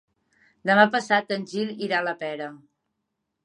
Demà passat en Gil irà a la Pera.